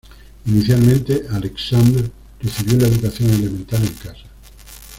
Inicialmente Aleksandr recibió la educación elemental en casa.